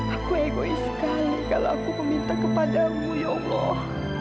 aku egois sekali kalau aku meminta kepadamu ya allah